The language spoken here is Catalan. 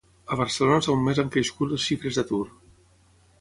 A Barcelona és on més han crescut les xifres d'atur.